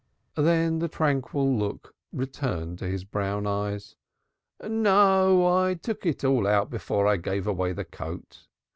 Then the tranquil look returned to his brown eyes. "No, I took it all out before I gave away the coat."